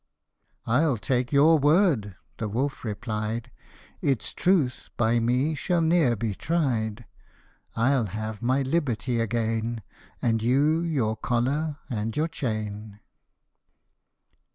" I'll take your word," the wolf replied ;" Its truth by me shall ne'er be tried ; I'll have my liberty again, And you your collar and your chain."